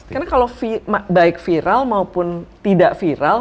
karena kalau baik viral maupun tidak viral